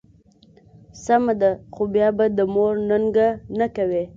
سمه ده، خو بیا به د مور ننګه نه کوې.